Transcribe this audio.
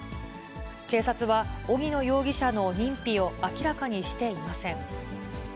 警察は荻野容疑者の認否を明らかにしていません。